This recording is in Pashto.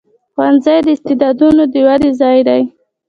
ښوونځی د استعدادونو د ودې ځای دی.